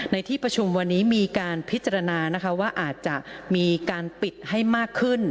ในที่ประชุมวันนี้มีการพิจารณานะคะว่าอาจจะมีการปิดให้มากขึ้น